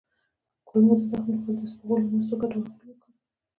د کولمو د زخم لپاره د اسپغول او مستو ګډول وکاروئ